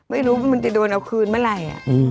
ไม่รู้มันจะโดนเอาคืนเมื่อไหร่